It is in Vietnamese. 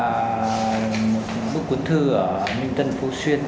một bức cuốn thư ở nguyễn tân phú xuyên